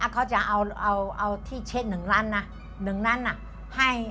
เขาจะเอาที่เช็คหนึ่งล้านนะ